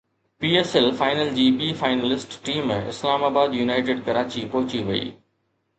P S L final جي ٻي finalist team Islamabad United Karachi پهچي وئي